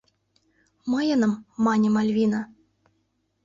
— Мыйыным, — мане Мальвина.